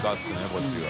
こっちが。